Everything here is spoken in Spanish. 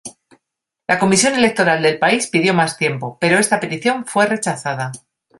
La comisión electoral del país pidió más tiempo, pero esta petición fue rechazada.